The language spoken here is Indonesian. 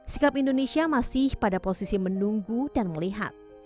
sikap indonesia masih pada posisi menunggu dan melihat